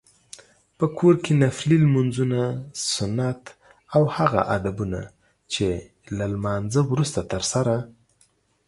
په کور کې نفلي لمونځونه، سنت او هغه ادبونه چې له لمانځته وروسته ترسره